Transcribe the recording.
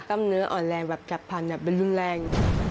มเนื้ออ่อนแรงแบบจับพันธุเป็นรุนแรง